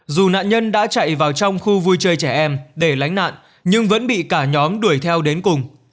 dù nạn nhân đã chạy vào trong khu vui chơi trẻ em để lánh nạn nhưng vẫn bị cả nhóm đuổi theo đến cùng